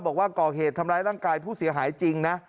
บอกว่าก่อเหตุทำร้ายร่างกายผู้เสียหายจริงนะ